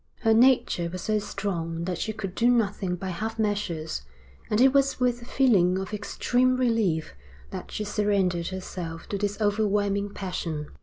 Her nature was so strong that she could do nothing by half measures, and it was with a feeling of extreme relief that she surrendered herself to this overwhelming passion.